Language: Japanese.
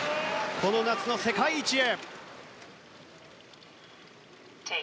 この夏の世界一へ。